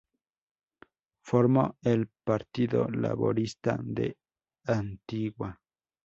Formó el Partido Laborista de Antigua.